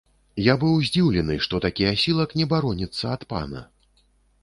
Я быў здзіўлены, што такі асілак не бароніцца ад пана.